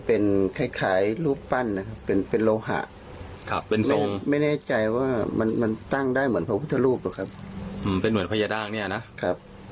ปกติเชื่อและนับถือสิ่งศักดิ์สิทธิ์อยู่แล้วไหมครับ